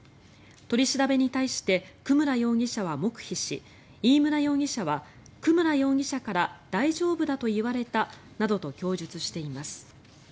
取り調べに対して久村容疑者は黙秘し飯村容疑者は、久村容疑者から大丈夫だと言われたなどと供述しています。